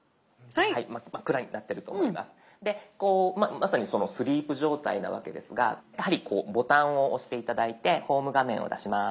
まさにスリープ状態なわけですがやはりボタンを押して頂いてホーム画面を出します。